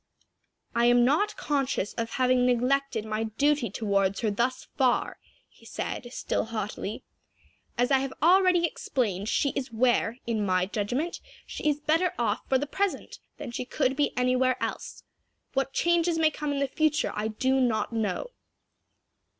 "I am not conscious of having neglected my duty toward her thus far," he said, still haughtily. "As I have already explained, she is where, in my judgment, she is better off for the present, than she could be anywhere else. What changes may come in the future I do not know."